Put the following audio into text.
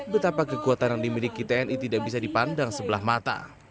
betapa kekuatan yang dimiliki tni tidak bisa dipandang sebelah mata